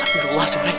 tapi ruas rai